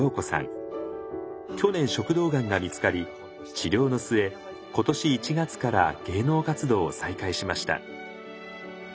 去年食道がんが見つかり治療の末今年１月から芸能活動を再開しました。